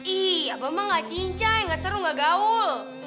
ih abah emang nggak cincah nggak seru nggak gaul